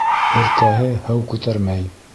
Һеркәһе һыу күтәрмәй.